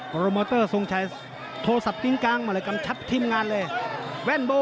โมเตอร์ทรงชัยโทรศัพท์ทิ้งกลางมาเลยกำชับทีมงานเลย